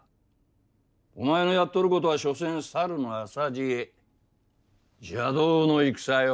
お前のやっとることはしょせん猿の浅知恵邪道の戦よ。